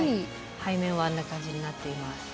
背面はあんな感じになっています。